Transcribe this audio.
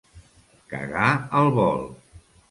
Cagar al vol.